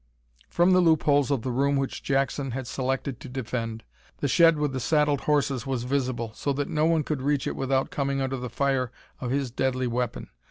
From the loop holes of the room which Jackson had selected to defend, the shed with the saddled horses was visible, so that no one could reach it without coming under the fire of his deadly weapon.